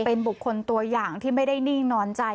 เป็นบุคคลตัวอย่างที่ไม่ได้นิ่งนอนใจ